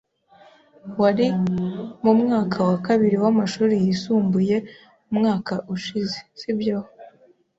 Wari mu mwaka wa kabiri w'amashuri yisumbuye umwaka ushize, sibyo?